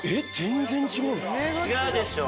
違うでしょ？